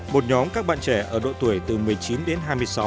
một nhóm các bạn trẻ ở độ tuổi từ một mươi chín đến hai mươi sáu